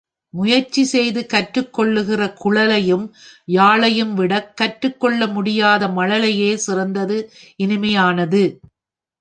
முயற்சி செய்து கற்றுக் கொள்ளுகிற குழலையும் யாழையும்விடக் கற்றுக் கொள்ள முடியாத மழலையே சிறந்தது இனிமையானது.